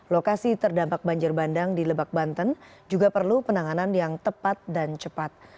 lokasi terdampak banjir bandang di lebak banten juga perlu penanganan yang tepat dan cepat